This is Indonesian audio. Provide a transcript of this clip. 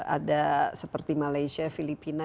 ada seperti malaysia filipina